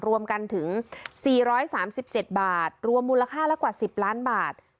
รวมกันถึงสี่ร้อยสามสิบเจ็ดบาทรวมมูลค่าละกว่าสิบล้านบาท